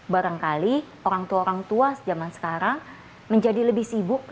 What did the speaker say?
barangkali orang tua orang tua zaman sekarang menjadi lebih sibuk